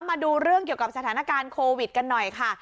มาดูเรื่องเกี่ยวกับสถานการณ์โควิดกันหน่อยค่ะ